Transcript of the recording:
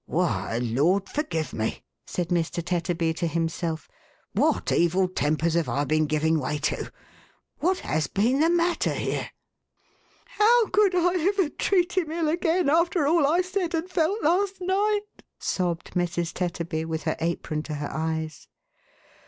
" Why, Lord forgive me," said Mr. Tetterby to himself, "what evil tempers have I been giving way to? What has been the matter here !"" How could I ever treat him ill again, after all I said and felt last night!" sobbed Mrs. Tetterby, with her apron to her eyes.